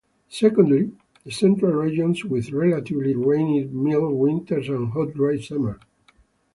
Secondly, the central regions, with relatively rainy mild winters, and hot dry summers.